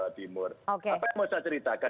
apa yang mau saya ceritakan